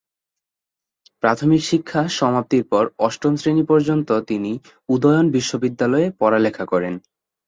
প্রাথমিক শিক্ষা সমাপ্তির পর অষ্টম শ্রেণী পর্যন্ত তিনি উদয়ন বিদ্যালয়ে পড়ালেখা করেন।